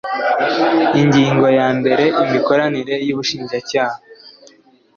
ingingo yambere imikoranire y ubushinjacyaha